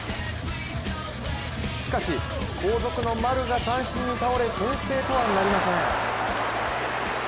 しかし後続の丸が三振に倒れ、先制とはなりません。